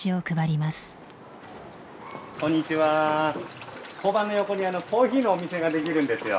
こんにちは交番の横にコーヒーのお店ができるんですよ。